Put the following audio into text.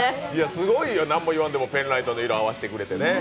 すごいよ何も言わんでもペンライトで色合わせてくれてね。